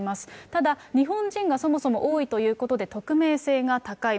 ただ日本人がそもそも多いということで、匿名性が高い。